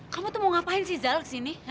kamu tuh mau ngapain sih zal ke sini